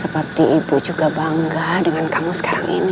seperti ibu juga bangga dengan kamu sekarang ini